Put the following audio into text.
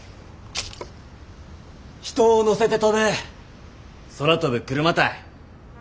人を乗せて飛ぶ空飛ぶクルマたい。